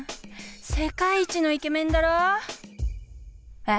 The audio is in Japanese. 世界一のイケメンだろ？え？